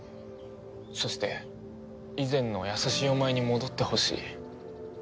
そして以前の優しいお前に戻ってほしい。